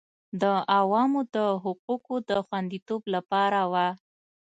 د عوامو د حقوقو د خوندیتوب لپاره وه